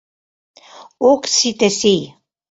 Ок сите сий!